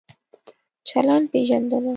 چلند پېژندنه